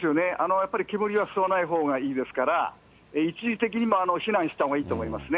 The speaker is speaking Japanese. やっぱり煙は吸わないほうがいいですから、一時的にも避難したほうがいいと思いますね。